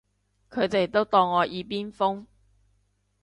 佢哋都當我耳邊風